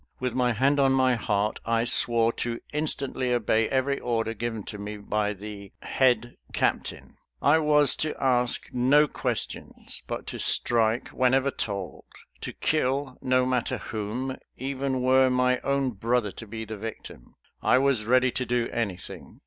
With my hand on my heart I swore to instantly obey every order given to me by the "head captain." I was to ask no questions, but to strike, whenever told; to kill, no matter whom, even were my own brother to be the victim. I was ready to do anything.